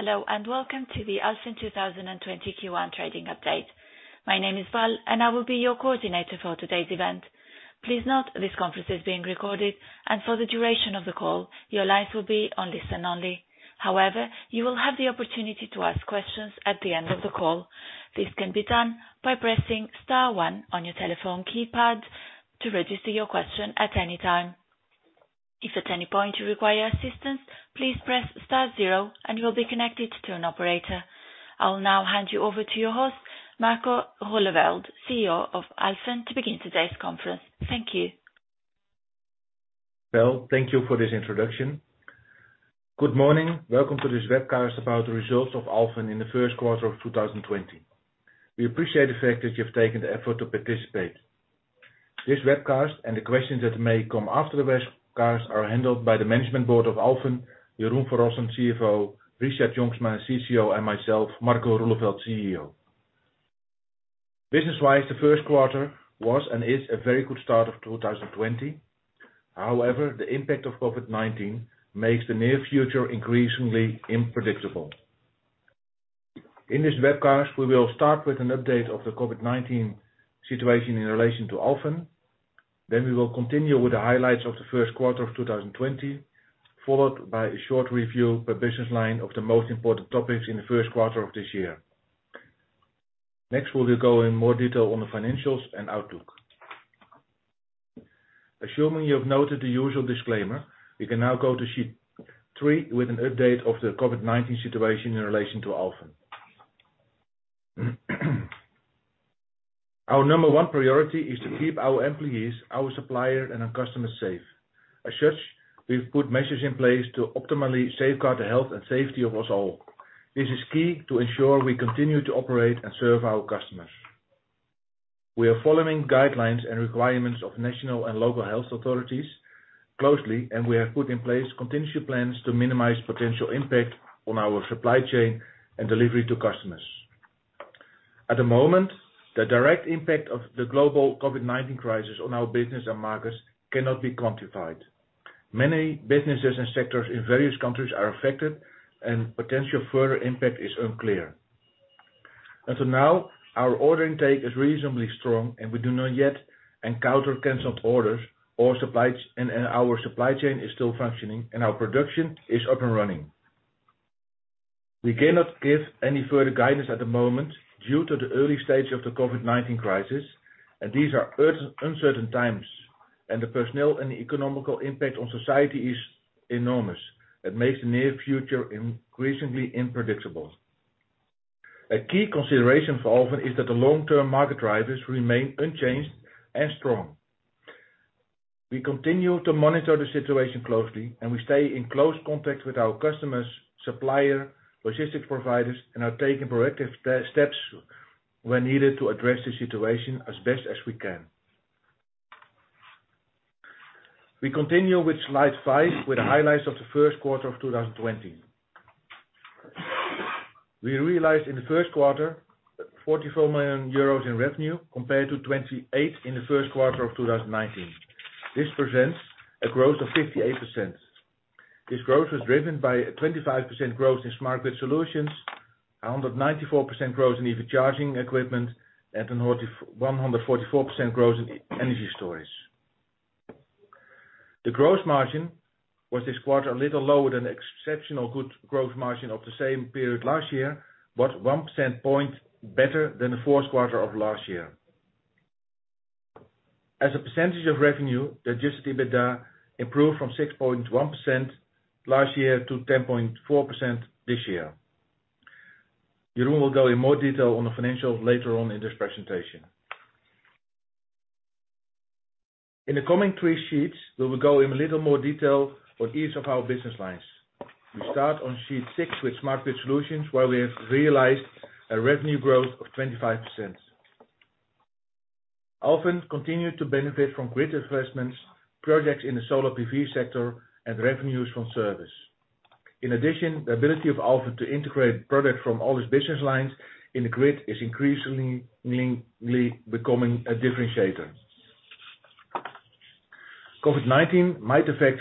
Hello and welcome to the Alfen 2020 Q1 trading Update. My name is Val and I will be your coordinator for today's event. Please note this conference is being recorded and for the duration of the call, your lines will be on listen only. However, you will have the opportunity to ask questions at the end of the call. This can be done by pressing star one on your telephone keypad to register your question at any time. If at any point you require assistance, please press star zero and you will be connected to an operator. I will now hand you over to your host, Marco Roeleveld, CEO of Alfen, to begin today's conference. Thank you. Thank you for this introduction. Good morning, welcome to this webcast about the results of Alfen in the first quarter of 2020. We appreciate the fact that you have taken the effort to participate. This webcast and the questions that may come after the webcast are handled by the management board of Alfen, Jeroen Rossen, CFO, Richard Jongsma, CCO, and myself, Marco Roeleveld, CEO. Business-wise, the first quarter was and is a very good start of 2020. However, the impact of COVID-19 makes the near future increasingly unpredictable. In this webcast, we will start with an update of the COVID-19 situation in relation to Alfen. Then we will continue with the highlights of the first quarter of 2020, followed by a short review per business line of the most important topics in the first quarter of this year. Next, we will go in more detail on the financials and outlook. Assuming you have noted the usual disclaimer, we can now go to sheet three with an update of the COVID-19 situation in relation to Alfen. Our number one priority is to keep our employees, our suppliers, and our customers safe. As such, we've put measures in place to optimally safeguard the health and safety of us all. This is key to ensure we continue to operate and serve our customers. We are following guidelines and requirements of national and local health authorities closely, and we have put in place contingency plans to minimize potential impact on our supply chain and delivery to customers. At the moment, the direct impact of the global COVID-19 crisis on our business and markets cannot be quantified. Many businesses and sectors in various countries are affected, and potential further impact is unclear. Until now, our order intake is reasonably strong, and we do not yet encounter canceled orders, and our supply chain is still functioning, and our production is up and running. We cannot give any further guidance at the moment due to the early stage of the COVID-19 crisis, and these are uncertain times, and the personnel and the economical impact on society is enormous. It makes the near future increasingly unpredictable. A key consideration for Alfen is that the long-term market drivers remain unchanged and strong. We continue to monitor the situation closely, and we stay in close contact with our customers, suppliers, logistics providers, and are taking proactive steps when needed to address the situation as best as we can. We continue with slide five with the highlights of the first quarter of 2020. We realized in the first quarter 44 million euros in revenue compared to 28 million in the first quarter of 2019. This presents a growth of 58%. This growth was driven by a 25% growth in smart grid solutions, a 194% growth in EV charging equipment, and a 144% growth in energy storage. The gross margin was this quarter a little lower than the exceptionally good gross margin of the same period last year, but 1 percentage point better than the fourth quarter of last year. As a percentage of revenue, the adjusted EBITDA improved from 6.1% last year to 10.4% this year. Jeroen will go in more detail on the financials later on in this presentation. In the coming three sheets, we will go in a little more detail on each of our business lines. We start on sheet six with smart grid solutions, where we have realized a revenue growth of 25%. Alfen continues to benefit from grid investments, projects in the solar PV sector, and revenues from service. In addition, the ability of Alfen to integrate products from all its business lines in the grid is increasingly becoming a differentiator. COVID-19 might affect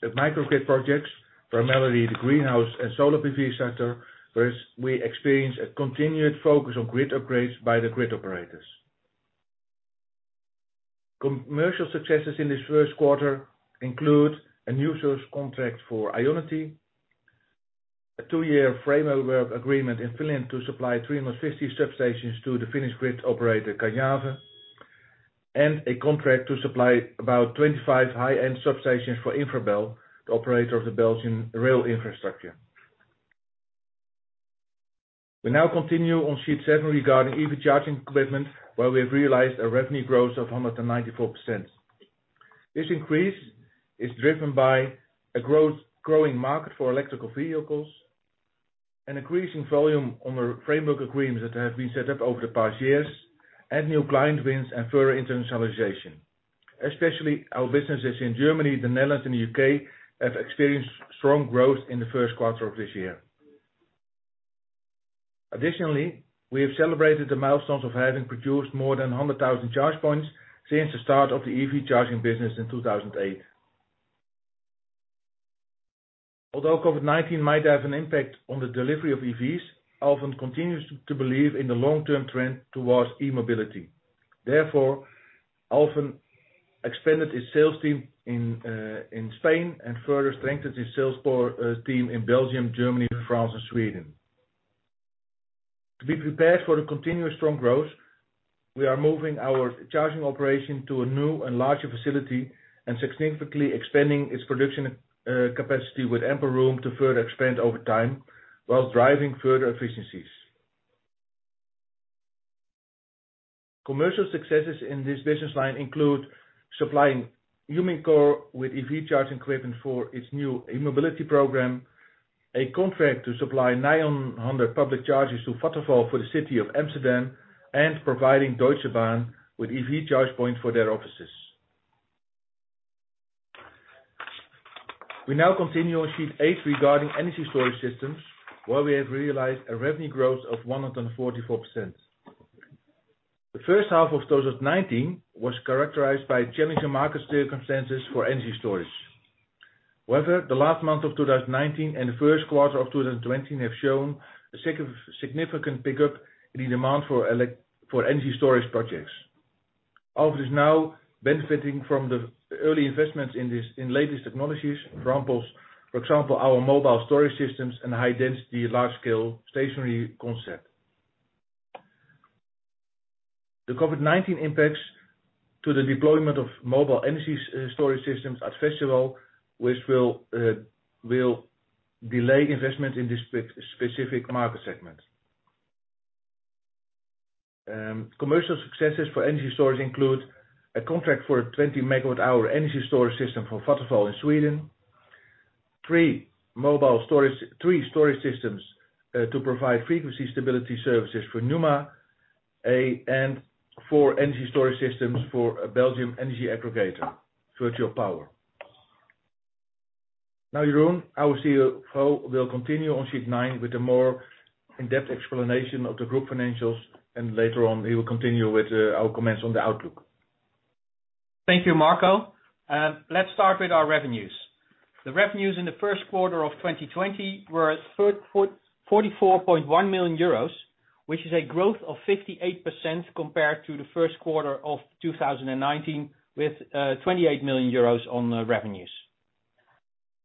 the microgrid projects, primarily the greenhouse and solar PV sector, whereas we experience a continued focus on grid upgrades by the grid operators. Commercial successes in this first quarter include a new source contract for IONITY, a two-year framework agreement in Finland to supply 350 substations to the Finnish grid operator, Caruna, and a contract to supply about 25 high-end substations for Infrabel, the operator of the Belgian rail infrastructure. We now continue on sheet seven regarding EV charging equipment, where we have realized a revenue growth of 194%. This increase is driven by a growing market for electrical vehicles, an increasing volume on the framework agreements that have been set up over the past years, and new client wins and further internationalization. Especially our businesses in Germany, the Netherlands, and the U.K. have experienced strong growth in the first quarter of this year. Additionally, we have celebrated the milestones of having produced more than 100,000 charge points since the start of the EV charging business in 2008. Although COVID-19 might have an impact on the delivery of EVs, Alfen continues to believe in the long-term trend towards e-mobility. Therefore, Alfen expanded its sales team in Spain and further strengthened its sales team in Belgium, Germany, France, and Sweden. To be prepared for the continuous strong growth, we are moving our charging operation to a new and larger facility and significantly expanding its production capacity with ample room to further expand over time while driving further efficiencies. Commercial successes in this business line include supplying UMiCo with EV charging equipment for its new e-mobility program, a contract to supply 900 public chargers to Vattenfall for the city of Amsterdam, and providing Deutsche Bahn with EV charge points for their offices. We now continue on sheet eight regarding energy storage systems, where we have realized a revenue growth of 144%. The first half of 2019 was characterized by challenging market circumstances for energy storage. However, the last month of 2019 and the first quarter of 2020 have shown a significant pickup in the demand for energy storage projects. Alfen is now benefiting from the early investments in the latest technologies, for example, our mobile storage systems and high-density, large-scale stationary concept. The COVID-19 impacts to the deployment of mobile energy storage systems are festival, which will delay investments in this specific market segment. Commercial successes for energy storage include a contract for a 20 MW energy storage system for Vattenfall in Sweden, three storage systems to provide frequency stability services for Numa, and four energy storage systems for a Belgian energy aggregator, VirtuaPower. Now, Jeroen, our CFO will continue on sheet nine with a more in-depth explanation of the group financials, and later on, he will continue with our comments on the outlook. Thank you, Marco. Let's start with our revenues. The revenues in the first quarter of 2020 were 44.1 million euros, which is a growth of 58% compared to the first quarter of 2019 with 28 million euros on revenues.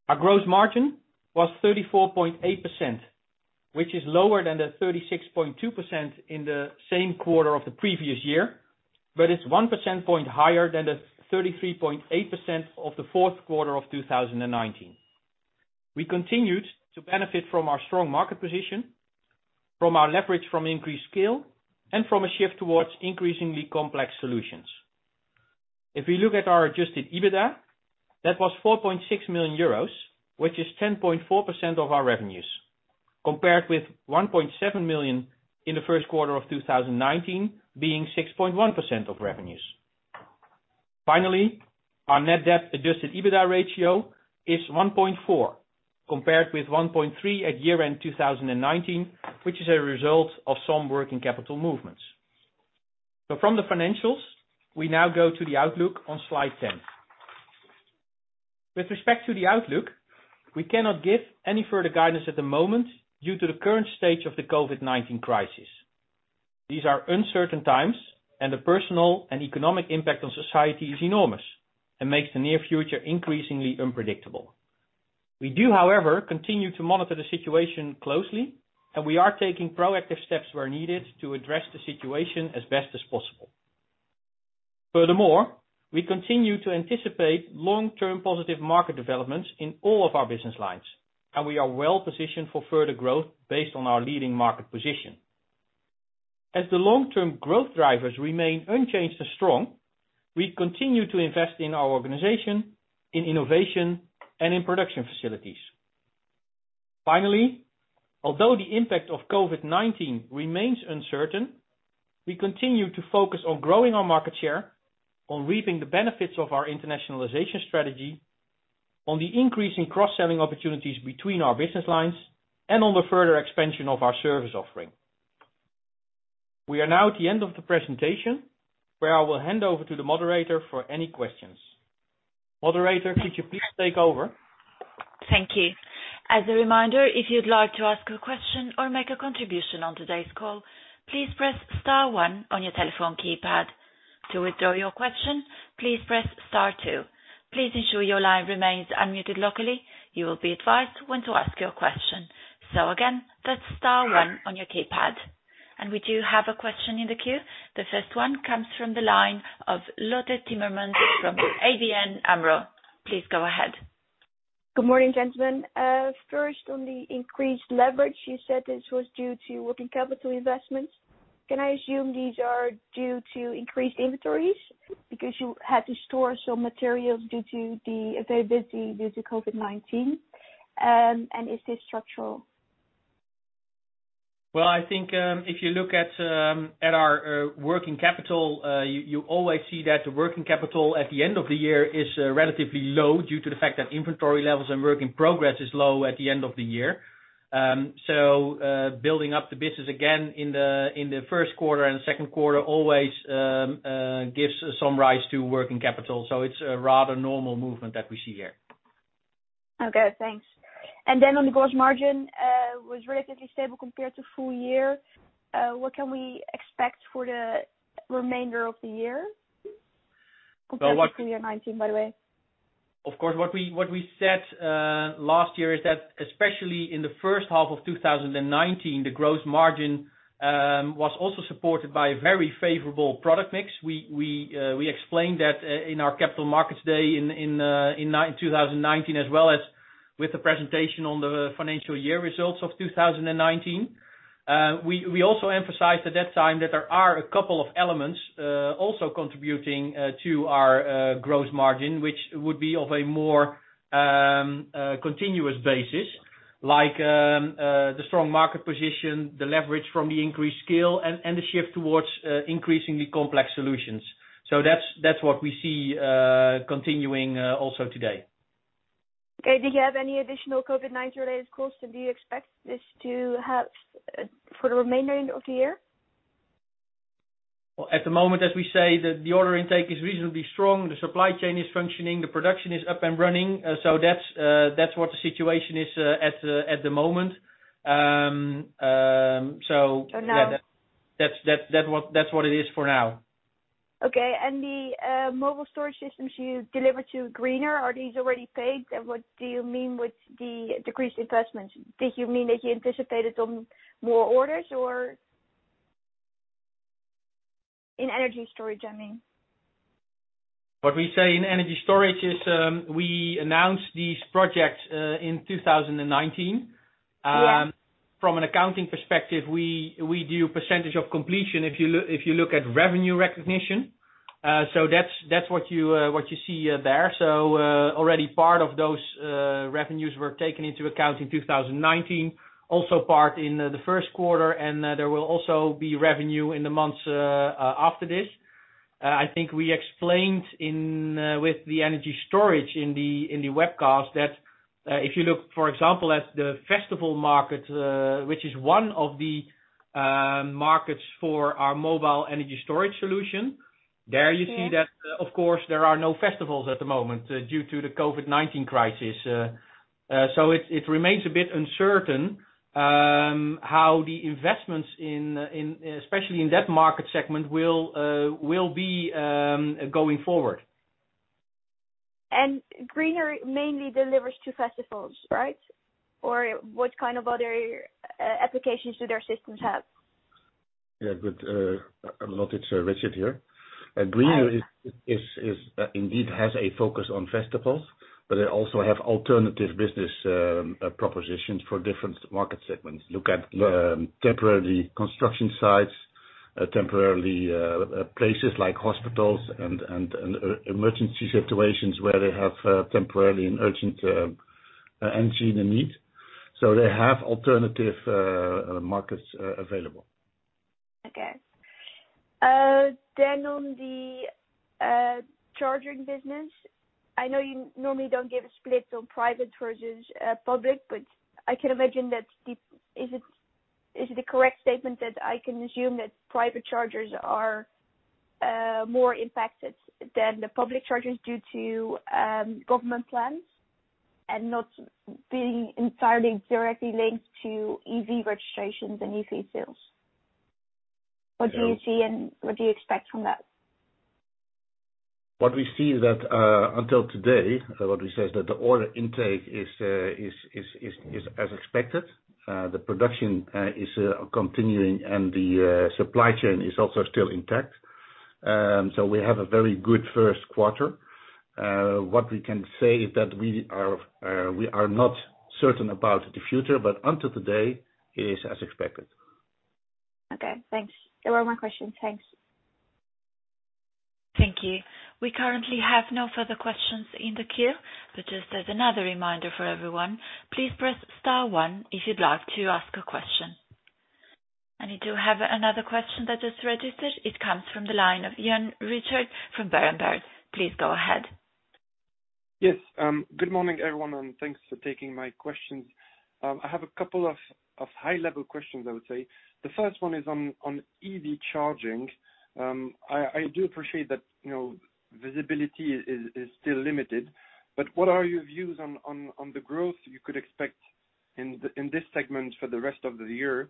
Our gross margin was 34.8%, which is lower than the 36.2% in the same quarter of the previous year, but it's 1 percentage point higher than the 33.8% of the fourth quarter of 2019. We continued to benefit from our strong market position, from our leverage from increased scale, and from a shift towards increasingly complex solutions. If we look at our adjusted EBITDA, that was 4.6 million euros, which is 10.4% of our revenues, compared with 1.7 million in the first quarter of 2019 being 6.1% of revenues. Finally, our net debt adjusted EBITDA ratio is 1.4, compared with 1.3 at year-end 2019, which is a result of some working capital movements. From the financials, we now go to the outlook on slide 10. With respect to the outlook, we cannot give any further guidance at the moment due to the current stage of the COVID-19 crisis. These are uncertain times, and the personal and economic impact on society is enormous and makes the near future increasingly unpredictable. We do, however, continue to monitor the situation closely, and we are taking proactive steps where needed to address the situation as best as possible. Furthermore, we continue to anticipate long-term positive market developments in all of our business lines, and we are well positioned for further growth based on our leading market position. As the long-term growth drivers remain unchanged and strong, we continue to invest in our organization, in innovation, and in production facilities. Finally, although the impact of COVID-19 remains uncertain, we continue to focus on growing our market share, on reaping the benefits of our internationalization strategy, on the increasing cross-selling opportunities between our business lines, and on the further expansion of our service offering. We are now at the end of the presentation, where I will hand over to the moderator for any questions. Moderator, could you please take over? Thank you. As a reminder, if you'd like to ask a question or make a contribution on today's call, please press star one on your telephone keypad. To withdraw your question, please press star two. Please ensure your line remains unmuted locally. You will be advised when to ask your question. Again, that's star one on your keypad. We do have a question in the queue. The first one comes from the line of Lotte Timmermans from ABN AMRO. Please go ahead. Good morning, gentlemen. First, on the increased leverage, you said this was due to working capital investments. Can I assume these are due to increased inventories because you had to store some materials due to the availability due to COVID-19? Is this structural? I think if you look at our working capital, you always see that the working capital at the end of the year is relatively low due to the fact that inventory levels and work in progress is low at the end of the year. Building up the business again in the first quarter and second quarter always gives some rise to working capital. It is a rather normal movement that we see here. Okay, thanks. On the gross margin, it was relatively stable compared to full year. What can we expect for the remainder of the year compared to year 2019, by the way? Of course, what we said last year is that especially in the first half of 2019, the gross margin was also supported by a very favorable product mix. We explained that in our capital markets day in 2019, as well as with the presentation on the financial year results of 2019. We also emphasized at that time that there are a couple of elements also contributing to our gross margin, which would be of a more continuous basis, like the strong market position, the leverage from the increased scale, and the shift towards increasingly complex solutions. That is what we see continuing also today. Okay. Do you have any additional COVID-19-related questions? Do you expect this to have for the remainder of the year? At the moment, as we say, the order intake is reasonably strong. The supply chain is functioning. The production is up and running. That is what the situation is at the moment. That is what it is for now. Okay. The mobile storage systems you deliver to Greener, are these already paid? What do you mean with the decreased investments? Did you mean that you anticipated some more orders or in energy storage, I mean? What we say in energy storage is we announced these projects in 2019. From an accounting perspective, we do a percentage of completion if you look at revenue recognition. That is what you see there. Already part of those revenues were taken into account in 2019, also part in the first quarter, and there will also be revenue in the months after this. I think we explained with the energy storage in the webcast that if you look, for example, at the festival market, which is one of the markets for our mobile energy storage solution, there you see that, of course, there are no festivals at the moment due to the COVID-19 crisis. It remains a bit uncertain how the investments, especially in that market segment, will be going forward. Greener mainly delivers to festivals, right? Or what kind of other applications do their systems have? Yeah, good. I'm not Richard here. Greener indeed has a focus on festivals, but they also have alternative business propositions for different market segments. Look at temporary construction sites, temporary places like hospitals and emergency situations where they have temporarily an urgent energy need. They have alternative markets available. Okay. On the charging business, I know you normally do not give a split on private versus public, but I can imagine that, is it a correct statement that I can assume that private chargers are more impacted than the public chargers due to government plans and not being entirely directly linked to EV registrations and EV sales? What do you see and what do you expect from that? What we see is that until today, what we say is that the order intake is as expected. The production is continuing, and the supply chain is also still intact. We have a very good first quarter. What we can say is that we are not certain about the future, but until today, it is as expected. Okay, thanks. Those were my questions. Thanks. Thank you. We currently have no further questions in the queue, but just as another reminder for everyone, please press star one if you'd like to ask a question. We do have another question that is registered, it comes from the line of Jan Richard from Berenberg. Please go ahead. Yes. Good morning, everyone, and thanks for taking my questions. I have a couple of high-level questions, I would say. The first one is on EV charging. I do appreciate that visibility is still limited, but what are your views on the growth you could expect in this segment for the rest of the year?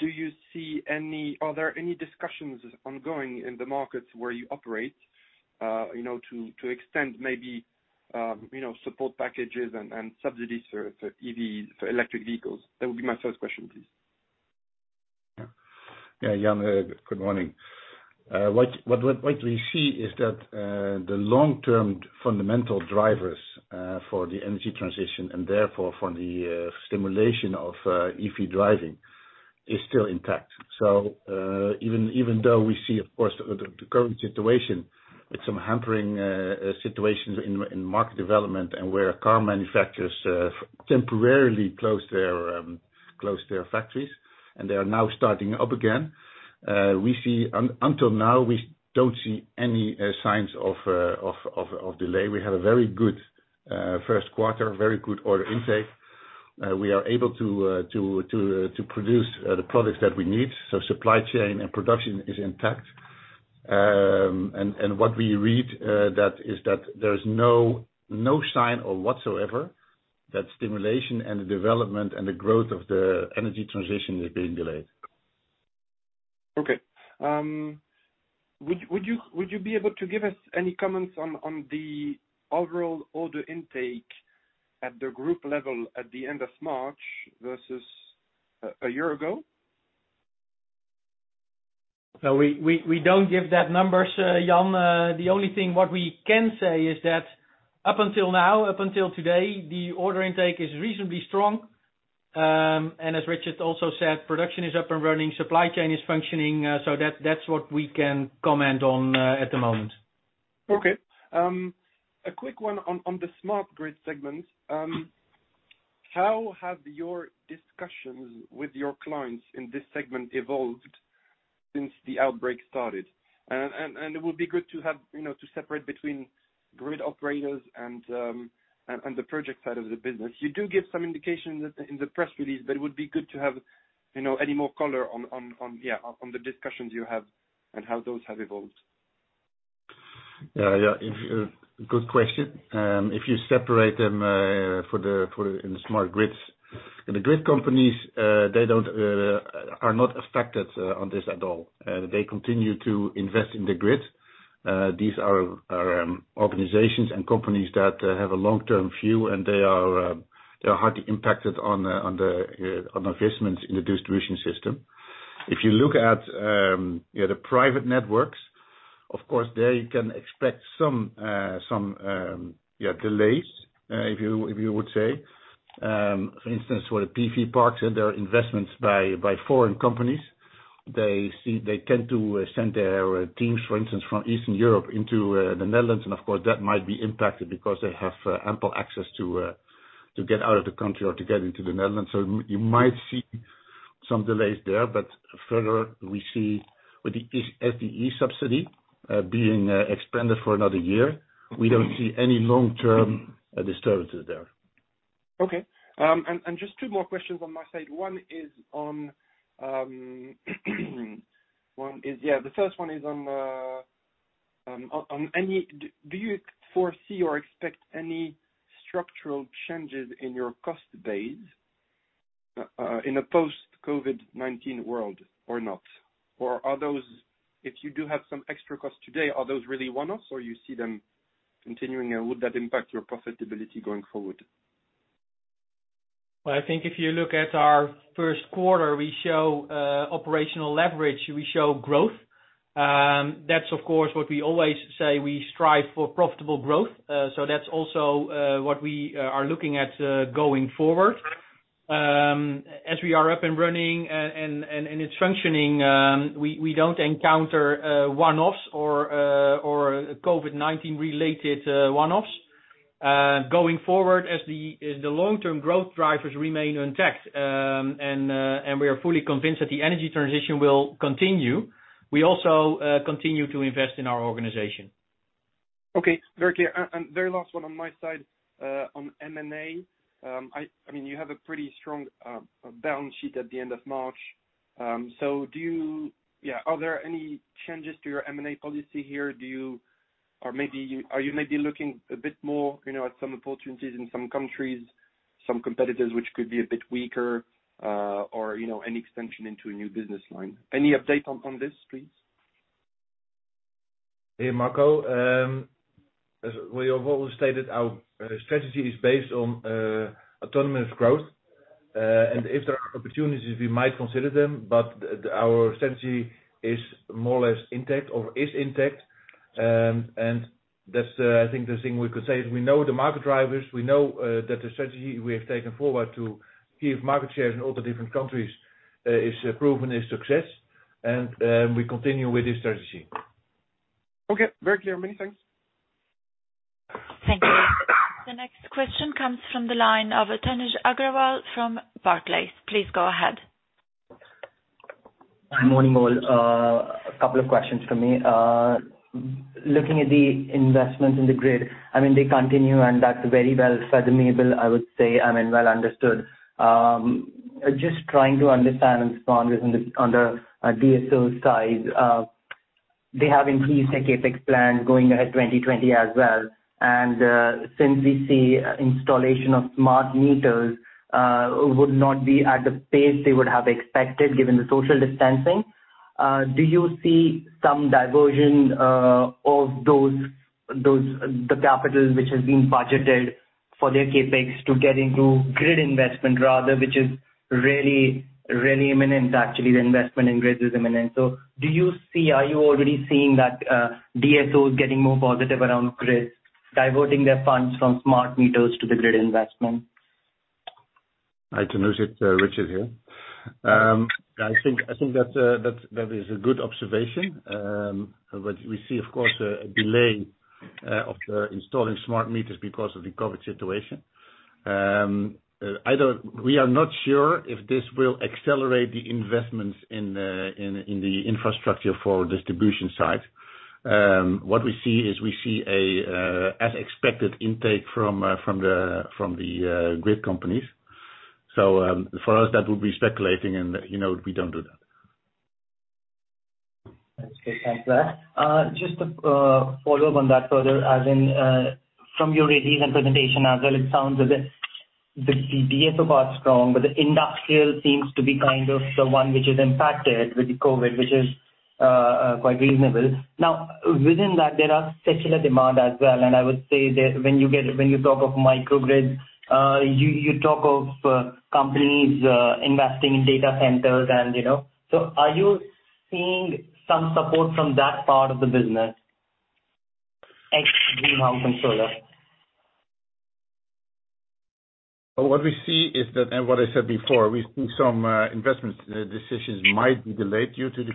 Do you see any—are there any discussions ongoing in the markets where you operate to extend maybe support packages and subsidies for electric vehicles? That would be my first question, please. Yeah. Jan, good morning. What we see is that the long-term fundamental drivers for the energy transition and therefore for the stimulation of EV driving is still intact. Even though we see, of course, the current situation with some hampering situations in market development and where car manufacturers temporarily closed their factories and they are now starting up again, we see until now, we do not see any signs of delay. We had a very good first quarter, very good order intake. We are able to produce the products that we need. Supply chain and production is intact. What we read is that there is no sign whatsoever that stimulation and the development and the growth of the energy transition is being delayed. Okay. Would you be able to give us any comments on the overall order intake at the group level at the end of March versus a year ago? We do not give that numbers, Jan. The only thing what we can say is that up until now, up until today, the order intake is reasonably strong. As Richard also said, production is up and running, supply chain is functioning. That is what we can comment on at the moment. Okay. A quick one on the smart grid segment. How have your discussions with your clients in this segment evolved since the outbreak started? It would be good to have to separate between grid operators and the project side of the business. You do give some indications in the press release, but it would be good to have any more color on, yeah, on the discussions you have and how those have evolved. Yeah, yeah. Good question. If you separate them for the smart grids, the grid companies, they are not affected on this at all. They continue to invest in the grid. These are organizations and companies that have a long-term view, and they are hardly impacted on the investments in the distribution system. If you look at the private networks, of course, there you can expect some delays, if you would say. For instance, for the PV parks and their investments by foreign companies, they tend to send their teams, for instance, from Eastern Europe into the Netherlands. Of course, that might be impacted because they have ample access to get out of the country or to get into the Netherlands. You might see some delays there. Further, we see with the SDE subsidy being expanded for another year, we do not see any long-term disturbances there. Okay. Just two more questions on my side. One is on, yeah, the first one is on, do you foresee or expect any structural changes in your cost base in a post-COVID-19 world or not? If you do have some extra costs today, are those really one-offs or you see them continuing, and would that impact your profitability going forward? I think if you look at our first quarter, we show operational leverage, we show growth. That's, of course, what we always say. We strive for profitable growth. That's also what we are looking at going forward. As we are up and running and it's functioning, we don't encounter one-offs or COVID-19-related one-offs. Going forward, as the long-term growth drivers remain intact and we are fully convinced that the energy transition will continue, we also continue to invest in our organization. Okay. Very clear. Very last one on my side on M&A. I mean, you have a pretty strong balance sheet at the end of March. Are there any changes to your M&A policy here? Are you maybe looking a bit more at some opportunities in some countries, some competitors which could be a bit weaker, or any extension into a new business line? Any update on this, please? Hey, Marco. We have always stated our strategy is based on autonomous growth. If there are opportunities, we might consider them, but our strategy is more or less intact or is intact. I think the thing we could say is we know the market drivers. We know that the strategy we have taken forward to give market shares in all the different countries is proven a success. We continue with this strategy. Okay. Very clear. Many thanks. Thank you. The next question comes from the line of Tanuj Agrawal from Barclays. Please go ahead. Hi, morning, all. A couple of questions for me. Looking at the investments in the grid, I mean, they continue, and that's very well fathomable, I would say, I mean, well understood. Just trying to understand and respond with on the DSO side, they have increased their CapEx plans going ahead 2020 as well. Since we see installation of smart meters would not be at the pace they would have expected given the social distancing, do you see some diversion of the capital which has been budgeted for their CapEx to get into grid investment rather, which is really imminent, actually, the investment in grid is imminent? Do you see, are you already seeing that DSOs getting more positive around grid, diverting their funds from smart meters to the grid investment? Hi, Tanuj. It's Richard here. I think that is a good observation. We see, of course, a delay of installing smart meters because of the COVID situation. We are not sure if this will accelerate the investments in the infrastructure for distribution sites. What we see is we see an as-expected intake from the grid companies. For us, that would be speculating, and we don't do that. Thanks for that. Just to follow up on that further, as in from your release and presentation as well, it sounds as if the DSO part's strong, but the industrial seems to be kind of the one which is impacted with the COVID, which is quite reasonable. Now, within that, there are secular demands as well. I would say when you talk of microgrid, you talk of companies investing in data centers. Are you seeing some support from that part of the business excluding house and solar? What we see is that, and what I said before, we see some investment decisions might be delayed due to the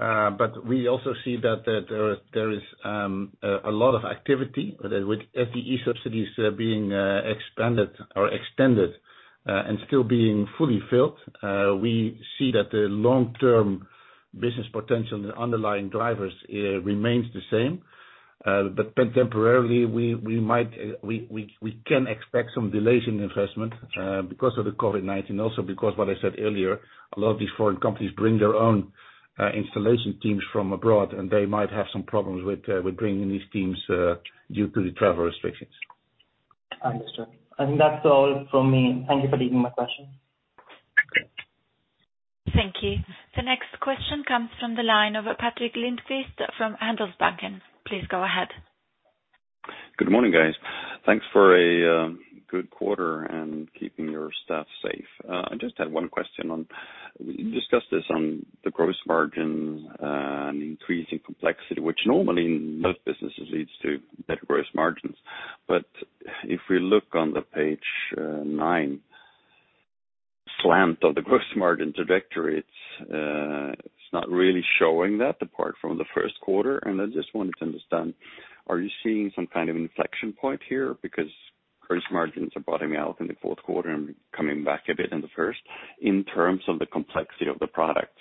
COVID-19. We also see that there is a lot of activity with SDE subsidies being expanded or extended and still being fully filled. We see that the long-term business potential and the underlying drivers remain the same. Temporarily, we can expect some delays in investment because of the COVID-19, also because what I said earlier, a lot of these foreign companies bring their own installation teams from abroad, and they might have some problems with bringing these teams due to the travel restrictions. Understood. I think that's all from me. Thank you for taking my question. Thank you. The next question comes from the line of Patric Lindqvist from Handelsbanken. Please go ahead. Good morning, guys. Thanks for a good quarter and keeping your staff safe. I just had one question on we discussed this on the gross margin and increasing complexity, which normally in most businesses leads to better gross margins. If we look on the page nine, slant of the gross margin trajectory, it's not really showing that apart from the first quarter. I just wanted to understand, are you seeing some kind of inflection point here? Because gross margins are bottoming out in the fourth quarter and coming back a bit in the first in terms of the complexity of the product.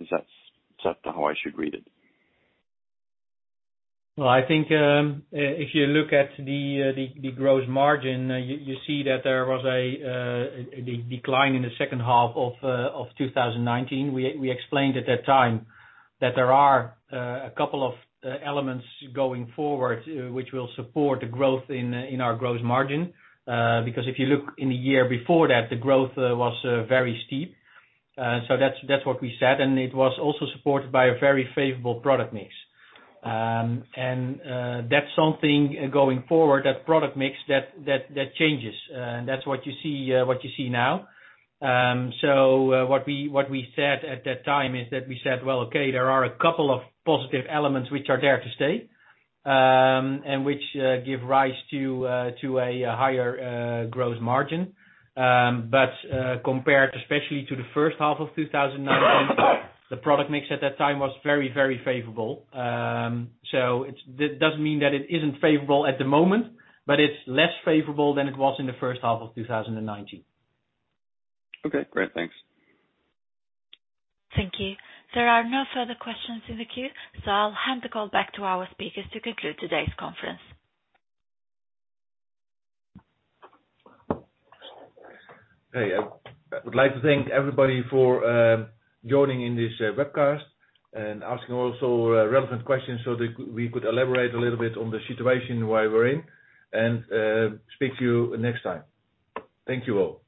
Is that how I should read it? I think if you look at the gross margin, you see that there was a decline in the second half of 2019. We explained at that time that there are a couple of elements going forward which will support the growth in our gross margin. Because if you look in the year before that, the growth was very steep. That is what we said. It was also supported by a very favorable product mix. That is something going forward, that product mix that changes. That is what you see now. What we said at that time is that we said, "Okay, there are a couple of positive elements which are there to stay and which give rise to a higher gross margin." Compared especially to the first half of 2019, the product mix at that time was very, very favorable. It does not mean that it is not favorable at the moment, but it is less favorable than it was in the first half of 2019. Okay. Great. Thanks. Thank you. There are no further questions in the queue, so I'll hand the call back to our speakers to conclude today's conference. Hey, I would like to thank everybody for joining in this webcast and asking also relevant questions so that we could elaborate a little bit on the situation where we're in and speak to you next time. Thank you all.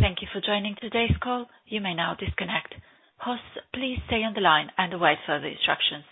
Thank you for joining today's call. You may now disconnect. Hoss, please stay on the line and await further instructions.